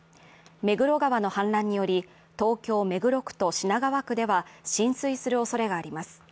目黒川の氾濫により東京・目黒区と品川区では浸水するおそれがあります。